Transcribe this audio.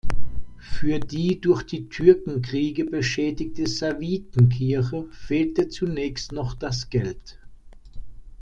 Für die durch die Türkenkriege beschädigte Servitenkirche fehlte zunächst noch das Geld.